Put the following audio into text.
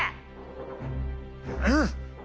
うん。